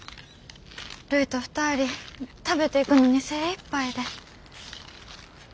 るいと２人食べていくのに精いっぱいで。